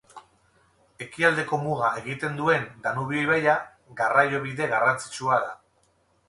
Ekialdeko muga egiten duen Danubio ibaia garraiobide garrantzitsua da.